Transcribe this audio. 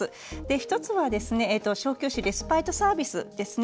１つは小休止レスパイトサービスですね。